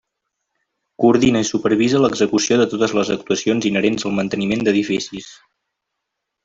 Coordina i supervisa l'execució de totes les actuacions inherents al manteniment d'edificis.